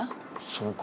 そうか。